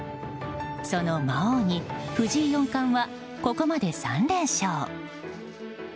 その魔王に藤井四冠はここまで３連勝。